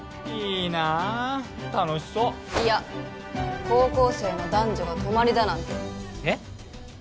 いいなあ楽しそういや高校生の男女が泊まりだなんてえっ？